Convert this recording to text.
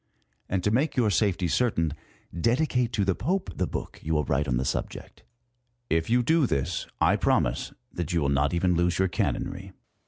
And to make your safety certain, dedicate to M 178 COPERNICUS. the Pope the book ^ you will write on the subject. If you do this, I promise that you will not even lose your canonry.